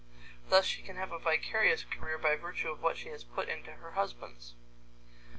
Thus she can have a vicarious career by virtue of what she has put into her husband's.